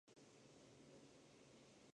黑内贝格是德国图林根州的一个市镇。